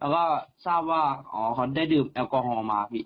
แล้วก็ทราบว่าอ๋อเขาได้ดื่มแอลกอฮอลมาพี่